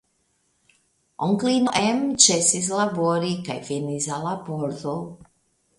Onklino Em ĉesis labori kaj venis al la pordo.